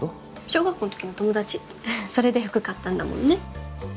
小学校の時の友達それで服買ったんだもんね